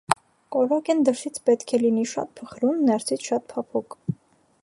Կորոկեն դրսից պետք է լինի շատ փխրուն, ներսից շատ փափուկ։